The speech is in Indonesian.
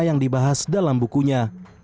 yang dibahas dalam bukunya